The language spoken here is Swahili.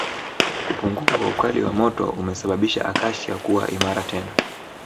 kupunguka kwa ukali wa moto umesababisha Acacia kuwa imara tena